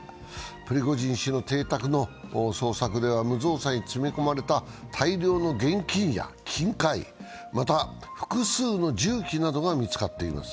プリゴジン氏の邸宅の捜索では無造作に詰め込まれた大量の現金や金塊、また複数の銃器などが見つかっています。